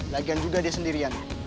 lagian juga dia sendirian